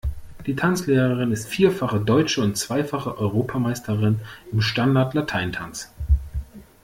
Die Tanzlehrerin ist vierfache deutsche und zweifache Europameisterin im Standart Latein Tanz.